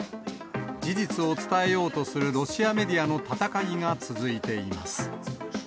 事実を伝えようとするロシアメディアの闘いが続いています。